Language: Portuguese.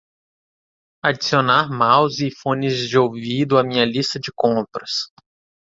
Adicionar mouse e fones de ouvido à minha lista de compras